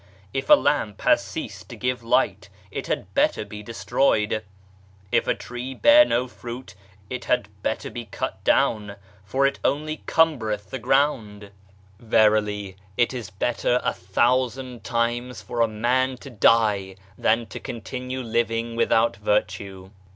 If a lamp has ceased to give light, it had better be des troyed. If a tree bear no fruit it had better be cut down, for it only cumbereth the ground. 104 HUMAN VIRTUES Verily, it is better a thousand times for a man to die than to continue living without virtue.